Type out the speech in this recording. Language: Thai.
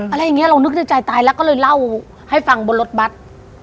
อะไรอย่างนี้เรานึกในใจตายแล้วก็เลยเล่าให้ฟังบนรถบัตร